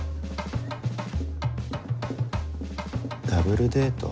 ダブルデート？